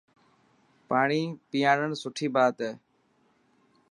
ٽاڻي پياڻڻ سٺي بات هي.